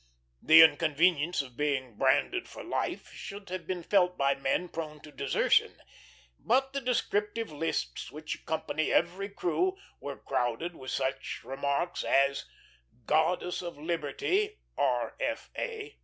The inconvenience of being branded for life should have been felt by men prone to desertion; but the descriptive lists which accompany every crew were crowded with such remarks as, "Goddess of Liberty, r. f. a."